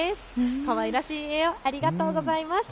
かわいらしい絵をありがとうございます。